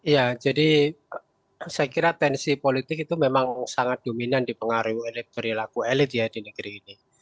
ya jadi saya kira tensi politik itu memang sangat dominan dipengaruhi perilaku elit ya di negeri ini